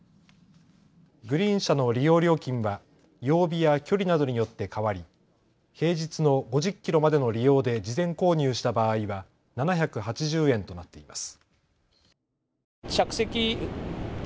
グリーン車の利用料金は曜日や距離などによって変わり平日の５０キロまでの利用で事前購入した場合は７８０円となっています。